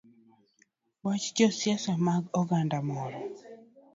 Wach josiasa mag oganda moro